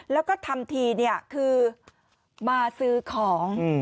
แล้วก็ทำทีเนี่ยคือมาซื้อของ